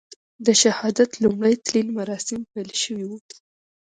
د شهادت لومړي تلین مراسیم پیل شوي و.